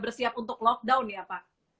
bersiap untuk lockdown ya pak